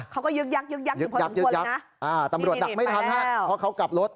เขาก็ยึกยักอยู่ผ่านข้างบน